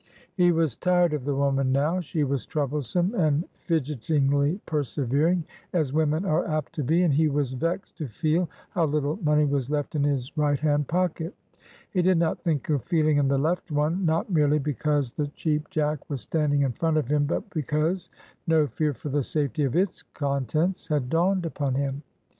He was tired of the woman now she was troublesome, and fidgetingly persevering, as women are apt to be, and he was vexed to feel how little money was left in his right hand pocket. He did not think of feeling in the left one, not merely because the Cheap Jack was standing in front of him, but because no fear for the safety of its contents had dawned upon him.